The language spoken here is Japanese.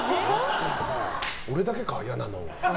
俺だけか、嫌なの。